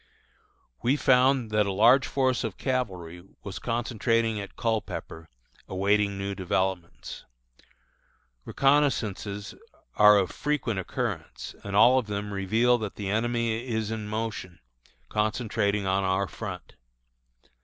We found that a large force of cavalry was concentrating at Culpepper, awaiting new developments. Reconnoissances are of frequent occurrence, and all of them reveal that the enemy is in motion, concentrating on our front.